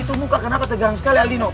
itu muka kenapa tegang sekali aldino